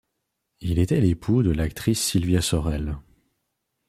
Il était l'époux de l'actrice Sylvia Saurel.